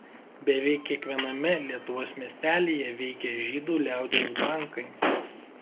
Beveik kiekviename Lietuvos miestelyje veikė žydų liaudies bankai.